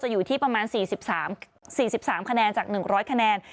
จะอยู่ที่ประมาณ๔๓ขนาดจาก๑๐๐ขนาด